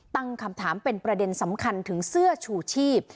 ตั้งคำถามเป็นประเด็นสำคัญถึงเสื้อชูชีพ